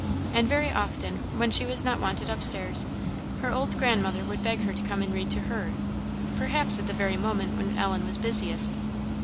And very often, when she was not wanted upstairs, her old grandmother would beg her to come and read to her perhaps at the very moment when Ellen was busiest.